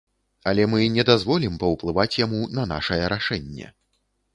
Але мы не дазволім паўплываць яму на нашае рашэнне.